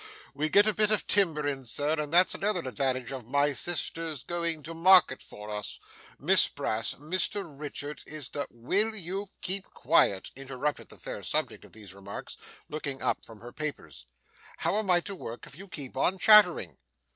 We get a bit of timber in, Sir, and that's another advantage of my sister's going to market for us. Miss Brass, Mr Richard is the ' 'Will you keep quiet?' interrupted the fair subject of these remarks, looking up from her papers. 'How am I to work if you keep on chattering?